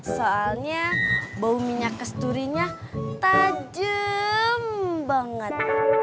soalnya bau minyak kasturinya tajem banget